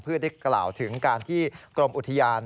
เพื่อได้กล่าวถึงการที่กรมอุทยาน